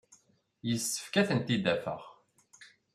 Yessefk ad ten-id-afeɣ.